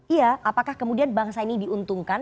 iya apakah kemudian bangsa ini diuntungkan